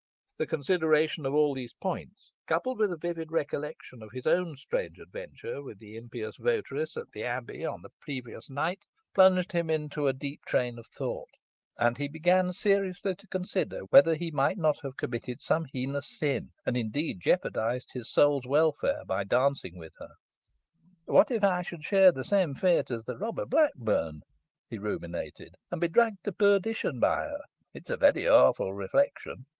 The consideration of all these points, coupled with a vivid recollection of his own strange adventure with the impious votaress at the Abbey on the previous night, plunged him into a deep train of thought, and he began seriously to consider whether he might not have committed some heinous sin, and, indeed, jeopardised his soul's welfare by dancing with her. "What if I should share the same fate as the robber Blackburn," he ruminated, "and be dragged to perdition by her? It is a very awful reflection.